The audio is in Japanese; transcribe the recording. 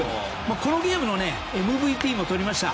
このゲームのＭＶＰもとりました。